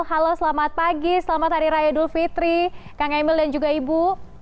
halo selamat pagi selamat hari raya idul fitri kang emil dan juga ibu